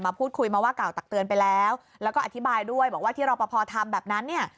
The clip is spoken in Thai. พูดคุยมาว่ากล่าวตักเตือนไปแล้วแล้วก็อธิบายด้วยบอกว่าที่รอปภทำแบบนั้นเนี่ย